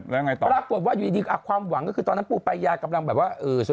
แล้วไงต่อปรากฏว่าอยู่ดีความหวังก็คือตอนนั้นปูปายากำลังแบบว่า